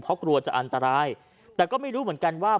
เพราะกลัวจะอันตรายแต่ก็ไม่รู้เหมือนกันว่า